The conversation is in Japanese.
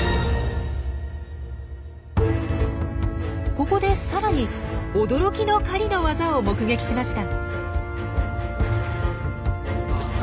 ここでさらに驚きの狩りの技を目撃しました。